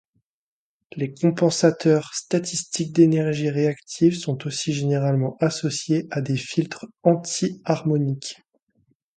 Les compensateurs statiques d'énergie réactive sont aussi généralement associés à des filtres anti-harmoniques.